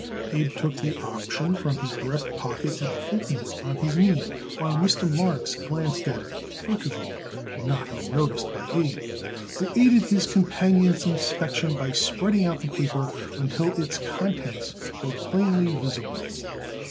Abe took the option from his breast pocket and opened it on his knee, while Mr. Marks glanced at it furtively, not unnoticed by Abe, who aided his companion's inspection by spreading out the paper until its contents were plainly visible.